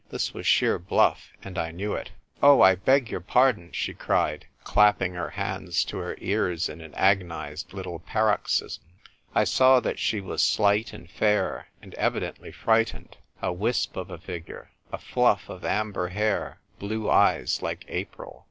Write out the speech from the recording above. This was sheer bluff, and I knew it. "Oh, I beg your pardon!" she cried, clap ping her hands to her ears in an agonised little paroxysm. I saw that she was slight and fair and evidently frightened : a wisp of a figure, a fluff of amber hair, blue eyes like April.